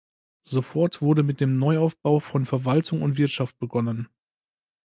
Sofort wurde mit dem „Neuaufbau“ von Verwaltung und Wirtschaft begonnen.